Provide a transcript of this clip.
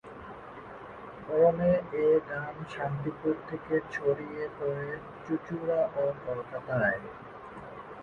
ক্রমে এ গান শান্তিপুর থেকে ছড়িয়ে পড়ে চুঁচুড়া ও কলকাতায়।